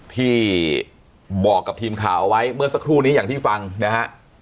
ที่บอกกับทีมข่าวเอาไว้เมื่อสักครู่นี้อย่างที่ฟังนะฮะ